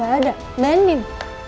keisha gak ada mbak anin